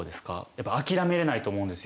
やっぱ諦めれないと思うんですよ。